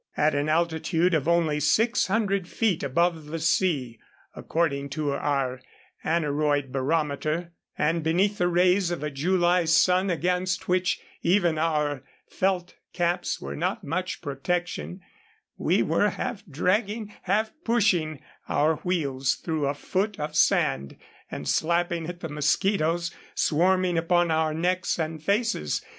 At an altitude of only six hundred feet above the sea, according to our aneroid barometer, and beneath the rays of a July sun against which even our felt caps were not much protection, we were half dragging, half pushing, our wheels through a foot of sand, and slapping at the mosquitos swarming upon our necks and faces.